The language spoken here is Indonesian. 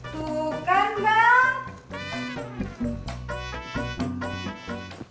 tuh kan bang